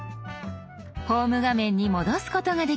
ホーム画面に戻すことができます。